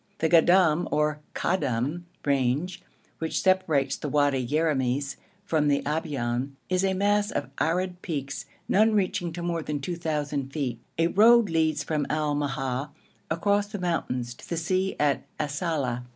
The Goddam or Kadam range, which separates the Wadi Yeramis from the Abyan, is a mass of arid peaks, none reaching to more than 2,000 feet. A road leads from Al Ma'a across the mountains to the sea at Asala.